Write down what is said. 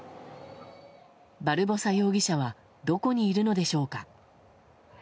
バルボサ容疑者はどこにいるのでしょうか。